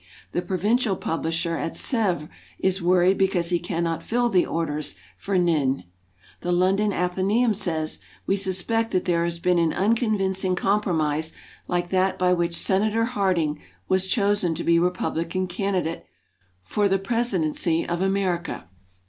The provincial publisher at Sevres is worried because he cannot fill the orders for "N^ne". The London "Athenaeum" says, "We suspect that there has been an unconvincing com promise like that by which Senator Harding was chosen to be Republican candidate for the Presidency of Amer ica."